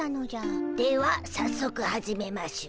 ではさっそく始めましゅ。